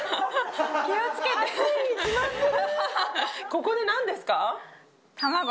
ここで何ですか？